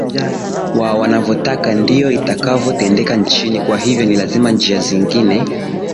wa wanavotaka ndio itakavo tendeka nchini kwa hivyo ni lazima njia zingine